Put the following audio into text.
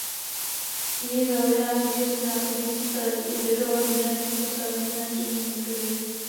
Jím založená říše si v následujících staletích udržovala dominantní postavení na Středním východě.